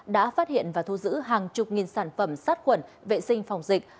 đã phát hiện và thu giữ hàng chục nghìn sản phẩm sát quẩn vệ sinh phòng dịch